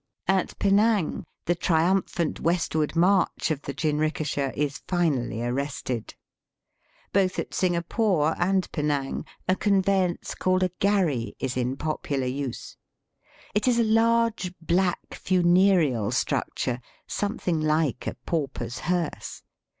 At Penang the triumphant westward march of the jinrikisha is finally arrested. Both at Singapore and Penang a conveyance called a gharry is in popular use. It is a large black, funereal structure something like a pauper's hearse.